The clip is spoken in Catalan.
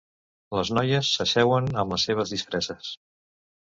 Les noies s'asseuen amb les seves disfresses.